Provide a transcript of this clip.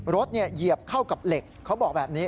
เหยียบเข้ากับเหล็กเขาบอกแบบนี้